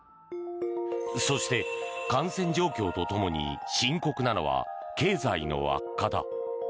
そして、感染状況とともに深刻なのは経済の悪化だ。